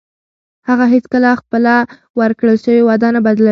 هغه هیڅکله خپله ورکړل شوې وعده نه بدلوي.